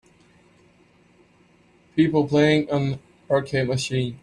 People playing an arcade machine.